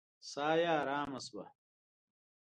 ساه يې آرامه شوه.